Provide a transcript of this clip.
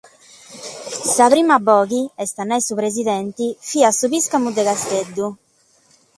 Sa “prima boghe”, est a nàrrere su presidente, fiat su pìscamu de Casteddu.